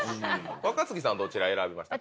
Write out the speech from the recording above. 若槻さんはどちら選びましたか？